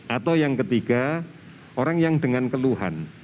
atau yang ketiga orang yang dengan keluhan